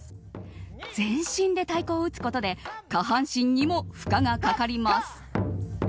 全身で太鼓を打つことで下半身にも負荷がかかります。